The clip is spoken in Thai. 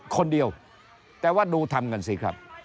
คนเดียวแต่ว่าดูทำกันสิครับ